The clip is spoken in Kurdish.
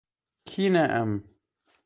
Kî ne em?